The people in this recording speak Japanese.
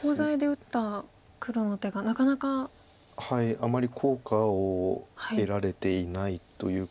あまり効果を得られていないというか。